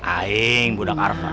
aing budak arva